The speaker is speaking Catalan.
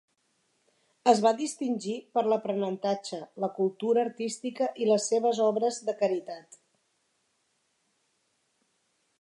Es va distingir per l'aprenentatge, la cultura artística i les seves obres de caritat.